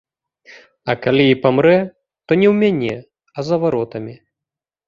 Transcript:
А калі і памрэ, то не ў мяне, а за варотамі.